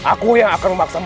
aku yang akan memaksamu